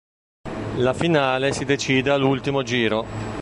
La finale si decide all'ultimo giro.